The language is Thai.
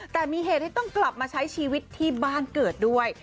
แต่มีเหตุให้ต้องกลับมาใช้ชีวิตที่บ้านเกิดด้วย